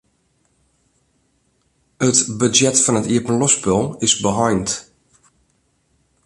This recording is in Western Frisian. It budzjet fan it iepenloftspul is beheind.